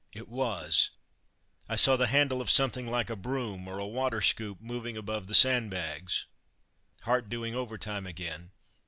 it was. I saw the handle of something like a broom or a water scoop moving above the sandbags. Heart doing overtime again!